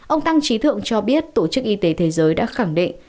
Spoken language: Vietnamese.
ông tăng trí thượng cho biết tổ chức y tế thế giới đã khẳng định